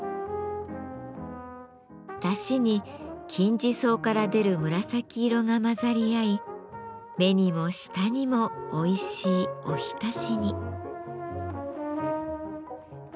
だしに金時草から出る紫色が混ざり合い目にも舌にもおいしいおひたしに。